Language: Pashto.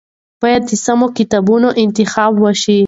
باید د سمو کتابونو انتخاب وشي.